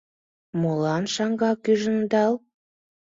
— Молан шаҥгак ӱжын огыдал!